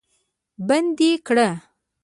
بندي کړ.